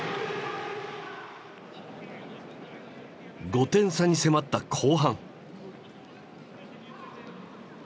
５点差に迫った後半。